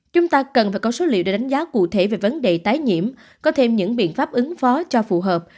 chúng ta cần phải có số liệu để đánh giá cụ thể về vấn đề tái nhiễm có thêm những biện pháp ứng phó cho phù hợp